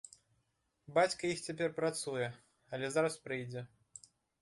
Бацька іх цяпер працуе, але зараз прыйдзе.